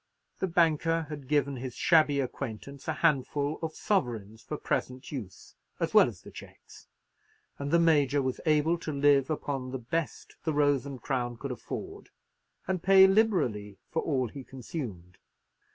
The banker had given his shabby acquaintance a handful of sovereigns for present use, as well as the cheques; and the Major was able to live upon the best the Rose and Crown could afford, and pay liberally for all he consumed.